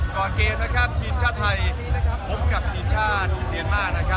ก่อนเกมทีมชาติไทยพบกับทีมชาติเมียนมาร์